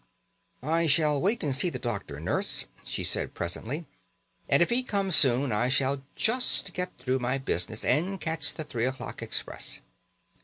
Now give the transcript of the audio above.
"I shall wait and see the doctor, Nurse," she said presently; "and if he comes soon I shall just get through my business, and catch the three o'clock express."